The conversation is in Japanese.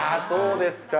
そうです。